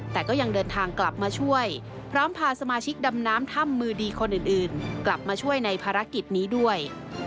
แต่ก็ยังเดินทางกลับมาช่วยพร้อมพาสมาชิกดำน้ำถ้ำมือดีคนอื่นกลับมาช่วยในภารกิจนี้ด้วย